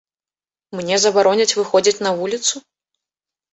Мне забароняць выходзіць на вуліцу?